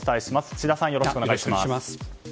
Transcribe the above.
智田さん、よろしくお願いします。